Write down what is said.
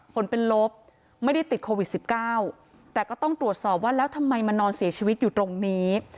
ผลเป็นลบไม่ได้ติดโควิด๑๙แต่ก็ต้องตรวจสอบว่าแล้วทำไมมานอนเสียชีวิตอยู่ตรงนี้